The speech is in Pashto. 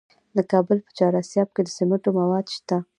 د کابل په چهار اسیاب کې د سمنټو مواد شته.